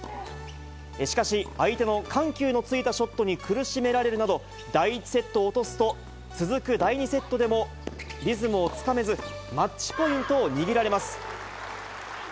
しかし、相手の緩急のついたショットに苦しめられるなど、第１セットを落とすと、続く第２セットでもリズムをつかめず、マッチポイントを握られます。